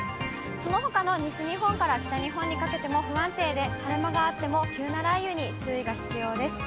そのほかの西日本から北日本にかけても不安定で、晴れ間があっても急な雷雨に注意が必要です。